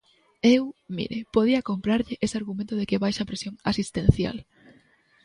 Eu, mire, podía comprarlle ese argumento de que baixa a presión asistencial.